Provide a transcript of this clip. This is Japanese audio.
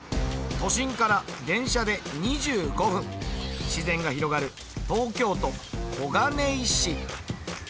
都心から電車で２５分自然が広がる東京都小金井市。